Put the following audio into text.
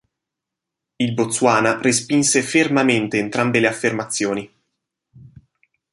Il Botswana respinse fermamente entrambe le affermazioni.